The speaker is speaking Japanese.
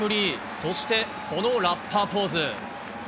そして、このラッパーポーズ。